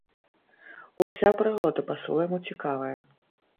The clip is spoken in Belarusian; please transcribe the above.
Уся прырода па-свойму цікавая.